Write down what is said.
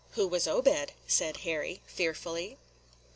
"Who was Obed?" said Harry, fearfully.